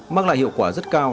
mắc lại hiệu quả rất cao